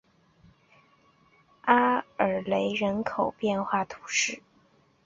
阿尔勒人口变化图示